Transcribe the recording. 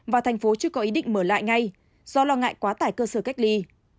và thành phố chưa có ý định mở lại ngay do lo ngại quá tải cơ sở cách ly